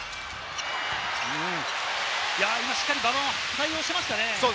しっかり馬場も対応していましたね。